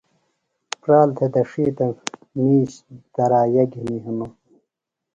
پرال تھےۡ دڇِھلوۡ تہ مِیش درائِیا گِھنیۡ ہِنوۡ۔